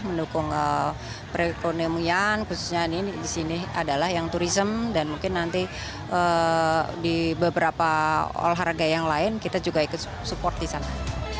mendukung perekonomian khususnya di sini adalah yang turisme dan mungkin nanti di beberapa olahraga yang lain kita juga ikut support di sana